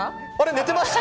寝てました？